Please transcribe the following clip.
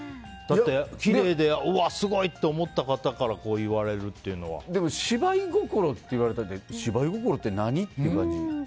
きれいですごいって思った方からでも、芝居心って言われたので芝居心って何？って感じ。